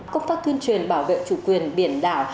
công tác tuyên truyền bảo vệ chủ quyền biển đảo